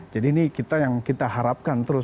jadi ini yang kita harapkan terus